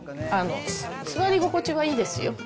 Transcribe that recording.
座り心地はいいですよ。